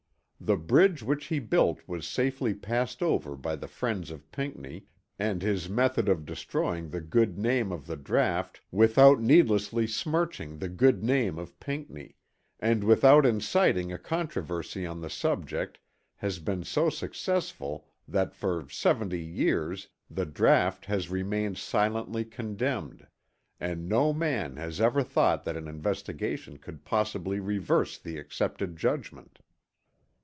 The bridge which he built was safely passed over by the friends of Pinckney and his method of destroying the good name of the draught without needlessly smirching the good name of Pinckney, and without inciting a controversy on the subject has been so successful that for seventy years the draught has remained silently condemned, and no man has even thought that an investigation could possibly reverse the accepted judgment.